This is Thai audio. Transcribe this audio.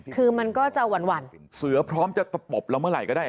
คือมันก็จะหวั่นเสือพร้อมจะตะปบเราเมื่อไหร่ก็ได้